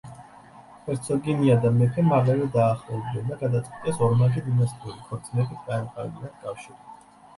ჰერცოგინია და მეფე მალევე დაახლოვდნენ და გადაწყვიტეს ორმაგი დინასტიური ქორწინებით გაემყარებინათ კავშირი.